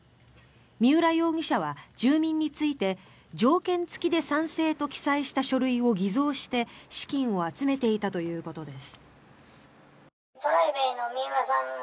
三浦容疑者は住民について条件付きで賛成と記載した書類を偽造して、資金を集めていたということです。